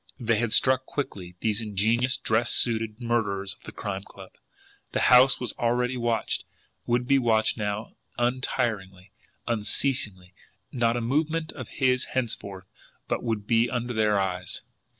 They had struck quickly, these ingenious, dress suited murderers of the Crime Club! The house was already watched, would be watched now untiringly, unceasingly; not a movement of his henceforth but would be under their eyes!